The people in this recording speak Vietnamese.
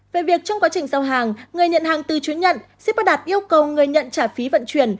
về việc trong quá trình giao hàng người nhận hàng từ chối nhận sẽ bắt đạt yêu cầu người nhận trả phí vận chuyển